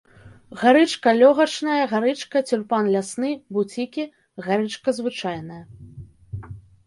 Гарычка лёгачная, гарычка, цюльпан лясны, буцікі, гарычка звычайная.